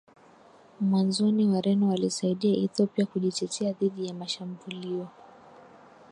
Mwanzoni Wareno walisaidia Ethiopia kujitetea dhidi ya mashambulio